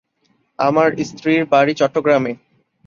আমার স্ত্রীর বাড়ি চট্টগ্রামে।